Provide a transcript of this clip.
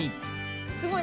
すごい。